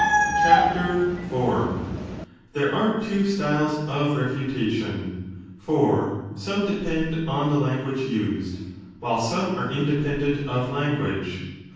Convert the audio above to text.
4 There are two styles of refutation : for some depend on the language used, while some are independent of lan guage.